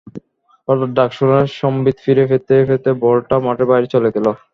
হঠাৎ ডাক শুনে সম্বিৎ ফিরে পেতে পেতে বলটা মাঠের বাইরে চলে গেছে।